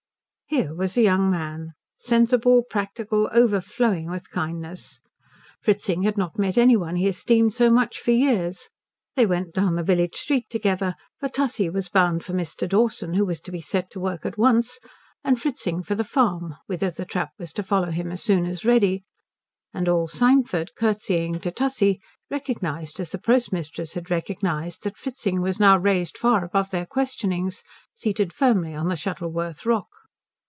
Here was a young man! Sensible, practical, overflowing with kindness. Fritzing had not met any one he esteemed so much for years. They went down the village street together, for Tussie was bound for Mr. Dawson who was to be set to work at once, and Fritzing for the farm whither the trap was to follow him as soon as ready, and all Symford, curtseying to Tussie, recognized, as the postmistress had recognized, that Fritzing was now raised far above their questionings, seated firmly on the Shuttleworth rock.